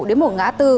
đến một ngã tư